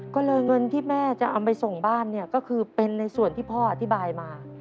ก็เลยเงินที่แม่จะเอาไปส่งบ้านเนี่ยก็คือเป็นในส่วนที่พ่ออธิบายมา